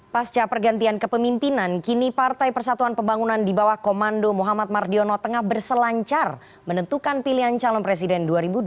pasca pergantian kepemimpinan kini partai persatuan pembangunan di bawah komando muhammad mardiono tengah berselancar menentukan pilihan calon presiden dua ribu dua puluh